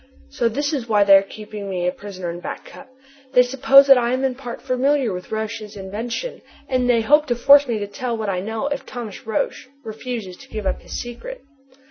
So this is why they are keeping me a prisoner in Back Cup! They suppose that I am in part familiar with Roch's invention, and they hope to force me to tell what I know if Thomas Roch refuses to give up his secret.